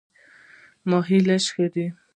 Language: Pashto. ماهی لږ ښه دی.